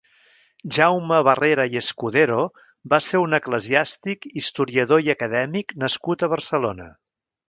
Jaume Barrera i Escudero va ser un eclesiàstic, historiador i acadèmic nascut a Barcelona.